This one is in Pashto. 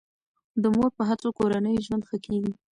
د مور په هڅو کورنی ژوند ښه کیږي.